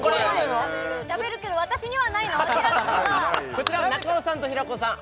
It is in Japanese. こちら中尾さんと平子さん